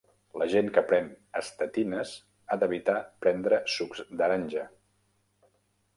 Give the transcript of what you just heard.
La gent que pren estatines ha d'evitar prendre sucs d'aranja.